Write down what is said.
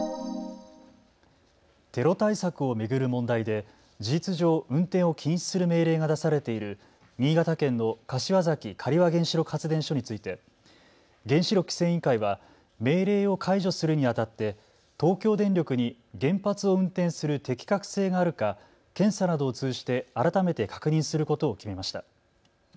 テロ対策を巡る問題で事実上、運転を禁止する命令が出されている新潟県の柏崎刈羽原子力発電所について原子力規制委員会は命令を解除するにあたって東京電力に原発を運転する適格性があるか検査などを通じて改めて確認することを決めました。